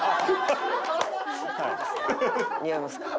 似合いますか。